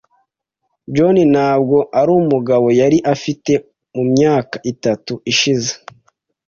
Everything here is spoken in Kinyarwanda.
John ntabwo arumugabo yari afite mumyaka itatu ishize .